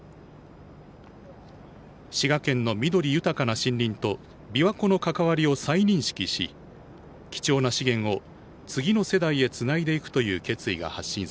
滋賀県の緑豊かな森林と琵琶湖の関わりを再認識し貴重な資源を次の世代へつないでいくという決意が発信されました。